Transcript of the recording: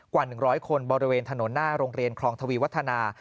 กว่า๑๐๐คนบริเวณถนนหน้าโรงเรียนคลองทวีวัฒนา